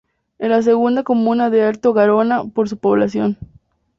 Es la segunda comuna de Alto Garona por su población.